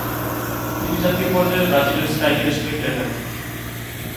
তিনি জাতীয় পর্যায়ে ব্রাজিলের স্ট্রাইকার হিসেবে খেলে থাকেন।